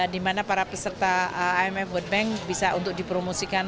di mana para peserta imf world bank bisa untuk dipromosikan